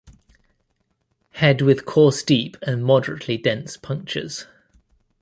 Head with coarse deep and moderately dense punctures.